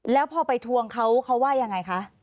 แล้วพอไปทวงเขาเขาว่ายังไงคะ